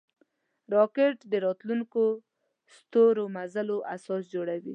راکټ د راتلونکو ستورمزلو اساس جوړوي